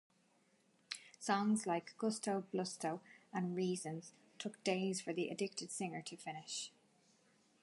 Songs like "Gusto Blusto" and "Reasons" took days for the addicted singer to finish.